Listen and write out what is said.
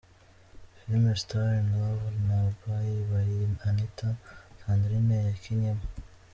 Filime Star In Love na Bayi Bayi Anita, Sandrine yakinnyemo.